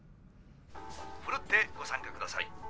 奮ってご参加ください。